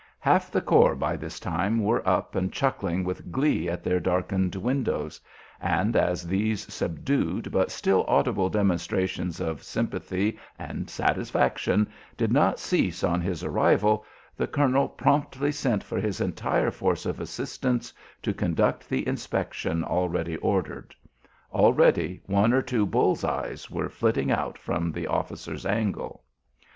Half the corps by this time were up and chuckling with glee at their darkened windows; and as these subdued but still audible demonstrations of sympathy and satisfaction did not cease on his arrival, the colonel promptly sent for his entire force of assistants to conduct the inspection already ordered. Already one or two "bull's eyes" were flitting out from the officers' angle.